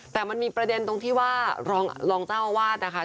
แต่มันมีประเด็นตรงที่ว่ารองเจ้าอาวาสนะคะ